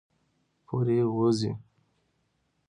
پورې ، وځي